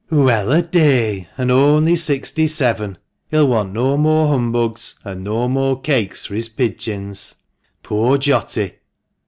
" Well a day ! and only sixty seven ! He'll want no more humbugs, and no more cakes for his pigeons. Poor Jotty